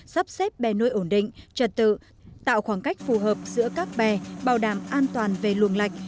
sắp xếp bè nuôi ổn định trật tự tạo khoảng cách phù hợp giữa các bè bảo đảm an toàn về luồng lạch